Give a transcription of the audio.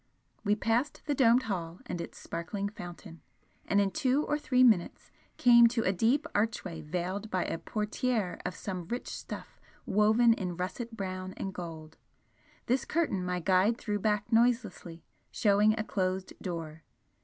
We passed the domed hall and its sparkling fountain, and in two or three minutes came to a deep archway veiled by a portiere of some rich stuff woven in russet brown and gold, this curtain my guide threw back noiselessly, showing a closed door.